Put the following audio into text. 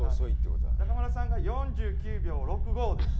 中丸さんが４９秒６５です。